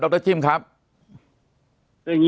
คุณภาคภูมิครับคุณภาคภูมิครับคุณภาคภูมิครับ